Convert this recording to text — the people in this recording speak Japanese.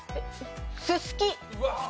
ススキ。